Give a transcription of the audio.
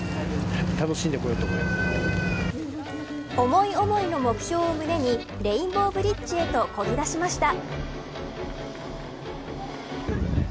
思い思いの目標を胸にレインボーブリッジへとこぎ出しました。